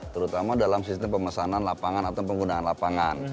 terutama dalam sistem pemesanan lapangan atau penggunaan lapangan